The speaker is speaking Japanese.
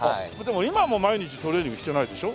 今はもう毎日トレーニングしてないでしょ？